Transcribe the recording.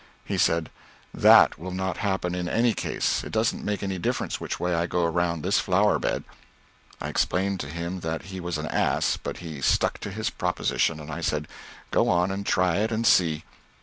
He said, "That will not happen in any case, it doesn't make any difference which way I go around this flower bed." I explained to him that he was an ass, but he stuck to his proposition, and I said, "Go on and try it, and see."